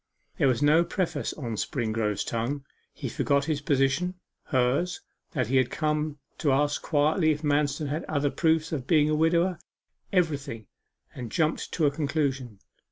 There was no preface on Springrove's tongue; he forgot his position hers that he had come to ask quietly if Manston had other proofs of being a widower everything and jumped to a conclusion.